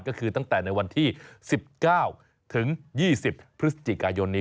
ก็คือตั้งแต่ในวันที่๑๙ถึง๒๐พฤศจิกายนนี้